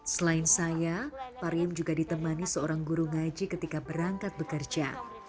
selain saya pariam juga ditemani seorang guru ngaji ketika berangkat bekerja